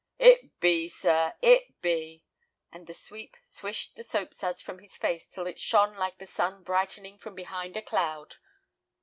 "It be, sir, it be," and the sweep swished the soap suds from his face till it shone like the sun brightening from behind a cloud.